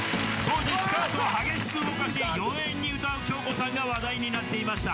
当時、スカーフを激しく動かし、妖艶に歌う杏子さんが話題になっていました。